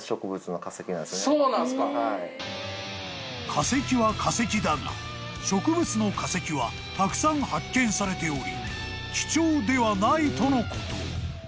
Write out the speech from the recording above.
［化石は化石だが植物の化石はたくさん発見されており貴重ではないとのこと］